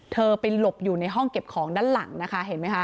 เธอไปหลบอยู่ในห้องเก็บของด้านหลังนะคะเห็นไหมคะ